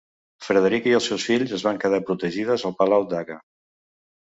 Frederica i els seus fills es van quedar protegides al palau d'Haga.